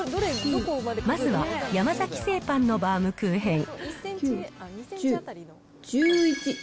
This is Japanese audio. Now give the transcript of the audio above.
まずは山崎製パンのバウムクーヘン。